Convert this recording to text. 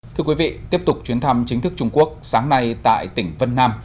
thưa quý vị tiếp tục chuyến thăm chính thức trung quốc sáng nay tại tỉnh vân nam